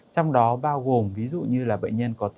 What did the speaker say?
trong đó bao gồm ví dụ như là bệnh nhân có tính